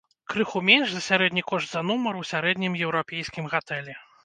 Крыху менш за сярэдні кошт за нумар у сярэднім еўрапейскім гатэлі.